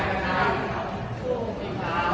กับทำงานของเรา